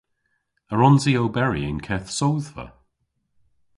A wrons i oberi y'n keth sodhva?